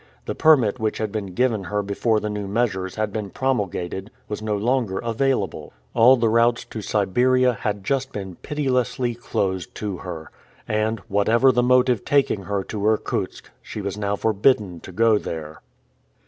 The permit which had been given her before the new measures had been promulgated was no longer available. All the routes to Siberia had just been pitilessly closed to her, and, whatever the motive taking her to Irkutsk, she was now forbidden to go there.